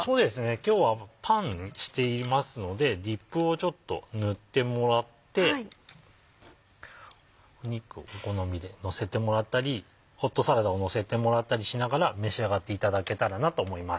今日はパンにしていますのでディップをちょっと塗ってもらって肉をお好みでのせてもらったりホットサラダをのせてもらったりしながら召し上がっていただけたらなと思います。